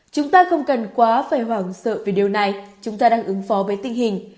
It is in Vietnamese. chúng ta không cần quá phải hoảng sợ về điều này chúng ta đang ứng phó với tình hình